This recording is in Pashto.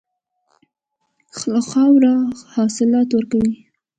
خاوره حاصلات ورکوي.